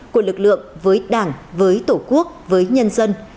của lực lượng với đảng với tổ quốc với nhân dân